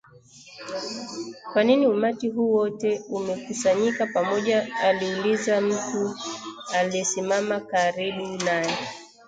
Kwa nini umati huu wote umekusanyika pamoja aliuliza mtu aliyesimama karibu naye